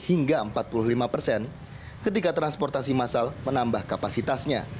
hingga empat puluh lima persen ketika transportasi masal menambah kapasitasnya